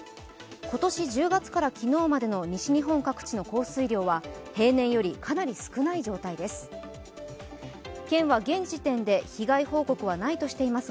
今年１０月から昨日までの西日本各地の降水量は平年よりかなり少ない状態です。